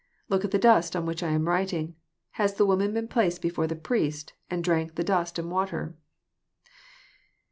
Look at the dast on which I am writing. Has the woman been placed before the priest, and drank of the dust and water?